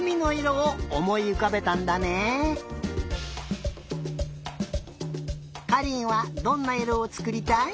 かりんはどんないろをつくりたい？